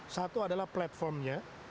satu adalah platformnya